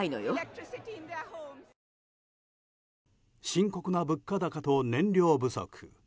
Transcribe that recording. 深刻な物価高と燃料不足。